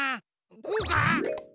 こうか？